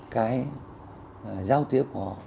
cái giao tiếp